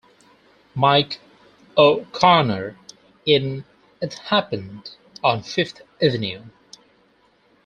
'Mike' O'Connor in "It Happened on Fifth Avenue".